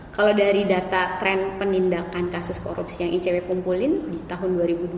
kalau dari data tren penindakan kasus korupsi yang icw kumpulin di tahun dua ribu dua puluh